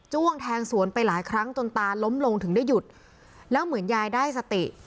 ้วงแทงสวนไปหลายครั้งจนตาล้มลงถึงได้หยุดแล้วเหมือนยายได้สติ